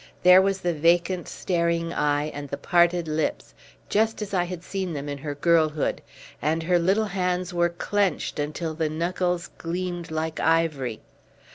There was the vacant staring eye and the parted lips, just as I had seen them in her girlhood, and her little hands were clenched until the knuckles gleamed like ivory.